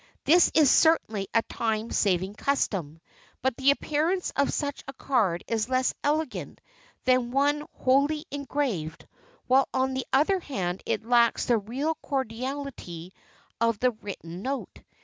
This is certainly a time saving custom, but the appearance of such a card is less elegant than one wholly engraved, while on the other hand it lacks the real cordiality of the written note.